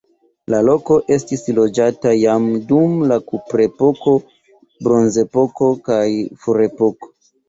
La loko estis loĝata jam dum la kuprepoko, bronzepoko kaj ferepoko.